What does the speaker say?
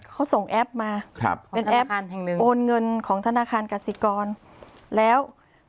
เขาส่งแอปมาเป็นแอปโอนเงินของธนาคารกศิกรแล้ว